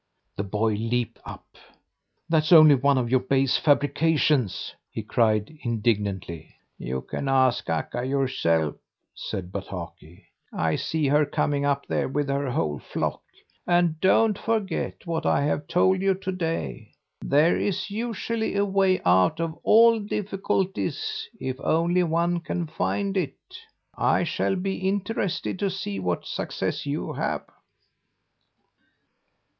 The boy leaped up. "That's only one of your base fabrications," he cried indignantly. "You can ask Akka yourself," said Bataki. "I see her coming up there with her whole flock. And don't forget what I have told you to day. There is usually a way out of all difficulties, if only one can find it. I shall be interested to see what success you have."